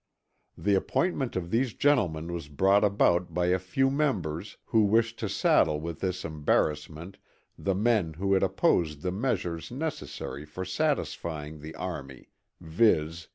The appointment of these gentlemen was brought about by a few members, who wished to saddle with this embarrassment the men who had opposed the measures necessary for satisfying the army, viz.